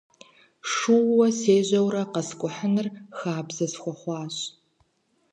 Шууэ сежьэурэ къэскӀухьыныр хабзэ схуэхъуащ.